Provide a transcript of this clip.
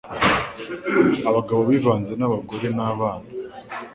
abagabo bivanze n'abagore n'abana